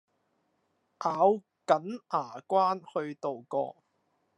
咬緊牙關去渡過